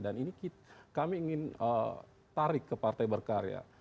dan ini kami ingin tarik ke partai berkarya